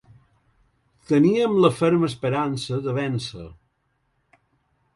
Teníem la ferma esperança de vèncer.